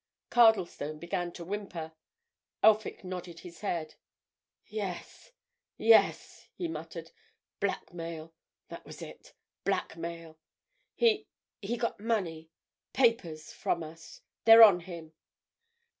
Cardlestone began to whimper; Elphick nodded his head. "Yes, yes!" he muttered. "Blackmail! That was it—blackmail. He—he got money—papers—from us. They're on him."